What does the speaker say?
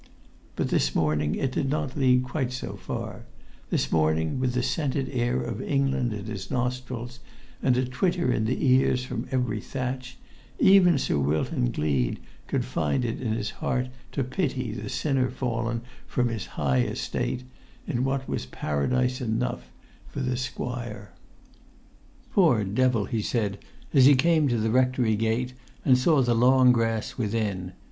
But this morning it did not lead quite so far; this morning, with the scented air of England in his nostrils, and a twitter in the ears from every thatch, even Sir Wilton Gleed could find it in his heart to pity the sinner fallen from his high estate in what was paradise enough for the squire. "Poor devil!" he said as he came to the rectory gate and saw the long grass within.